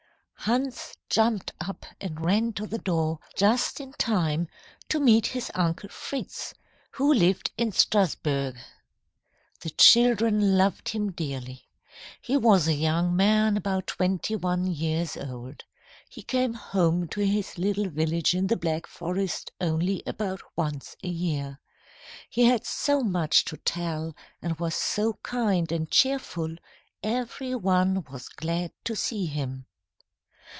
Hans jumped up and ran to the door, just in time to meet his Uncle Fritz, who lived in Strasburg. The children loved him dearly. He was a young man about twenty one years old. He came home to this little village in the Black Forest only about once a year. He had so much to tell and was so kind and cheerful, every one was glad to see him.